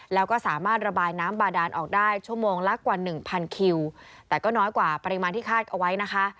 แล้วก็สามารถระบายน้ำบาดานออกได้ชั่วโมงละกว่าหนึ่งพันคิวแต่ก็น้อยกว่าปริมาณที่คาดเอาไว้นะคะ